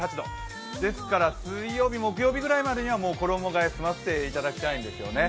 ですから、水曜日、木曜日ぐらいまでにはは衣がえを済ませていただきたいんですよね。